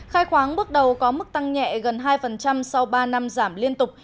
khai khoáng bước đầu có mức tăng nhẹ gần hai sau ba năm giảm liên tục